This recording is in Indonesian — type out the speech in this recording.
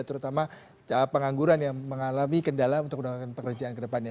terutama pengangguran yang mengalami kendala untuk mendapatkan pekerjaan kedepannya